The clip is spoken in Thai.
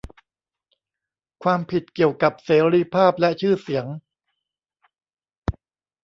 ความผิดเกี่ยวกับเสรีภาพและชื่อเสียง